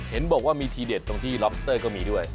เห็นบอกว่ามีทีเด็ดตรงที่ล็อบสเตอร์ก็มีด้วย